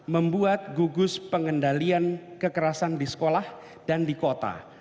membuat gugus pengendalian kekerasan di sekolah dan di kota